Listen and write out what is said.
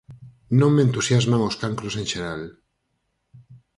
Non me entusiasman os cancros en xeral.